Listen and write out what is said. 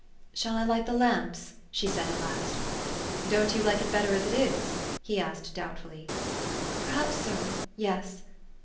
" Shall I light the lamps? " she said at last. "Don't you like it better as it is?" he asked doubtfully. "Perhaps so yes.